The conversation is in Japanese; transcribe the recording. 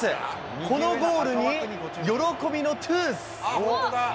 このゴールに喜びのトゥース！